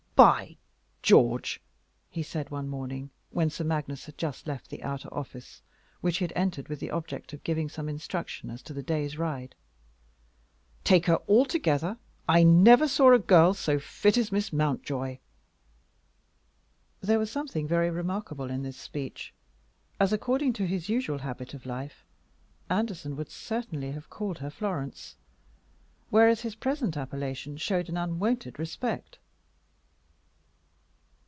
"By George!" he said one morning, when Sir Magnus had just left the outer office, which he had entered with the object of giving some instruction as to the day's ride, "take her altogether, I never saw a girl so fit as Miss Mountjoy." There was something very remarkable in this speech, as, according to his usual habit of life, Anderson would certainly have called her Florence, whereas his present appellation showed an unwonted respect.